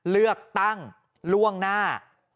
เลือกตั้งล่วงหน้า